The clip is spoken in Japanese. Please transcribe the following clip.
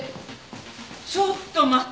ちょっと待って。